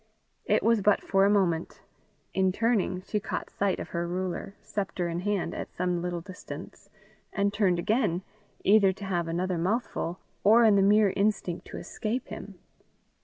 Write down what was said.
It was but for a moment. In turning, she caught sight of her ruler, sceptre in hand, at some little distance, and turned again, either to have another mouthful, or in the mere instinct to escape him.